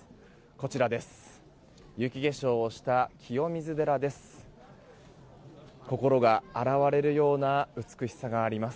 こちらです。